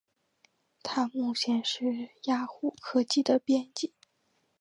他目前是雅虎科技的编辑。